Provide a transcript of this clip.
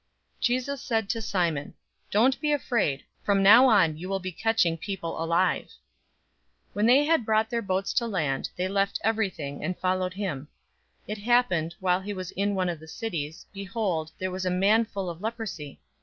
Jesus said to Simon, "Don't be afraid. From now on you will be catching people alive." 005:011 When they had brought their boats to land, they left everything, and followed him. 005:012 It happened, while he was in one of the cities, behold, there was a man full of leprosy.